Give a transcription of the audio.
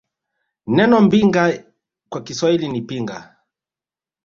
Neno Mbinga kwa Kiswahili ni Pinga